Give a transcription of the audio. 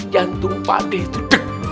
jantung pakde itu dek dek